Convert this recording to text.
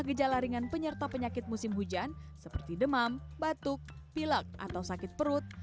hujan yang seringkali menyebabkan penyakit musim hujan seperti demam batuk pilak atau sakit perut